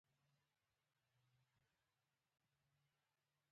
نشان په میړانه ګټل کیږي